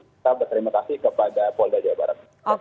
kita berterimakasih kepada polda jawa barat